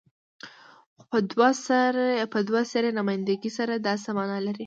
خو په دوه سري نمايندګۍ سره دا څه معنی لري؟